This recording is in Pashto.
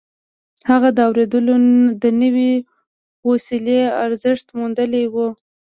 هغه د اورېدلو د نوې وسيلې ارزښت موندلی و.